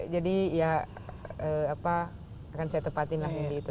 jadi ya akan saya tepatin lah nanti itu